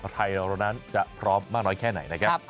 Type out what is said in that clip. ไทยเรานั้นจะพร้อมมากน้อยแค่ไหนนะครับ